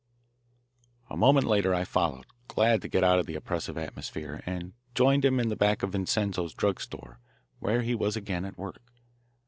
A moment later I followed, glad to get out of the oppressive atmosphere, and joined him in the back of Vincenzo's drug store, where he was again at work.